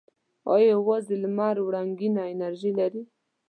آیا یوازې لمر وړنګینه انرژي لري؟